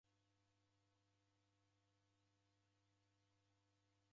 W'andu w'azoya kudeka mswara.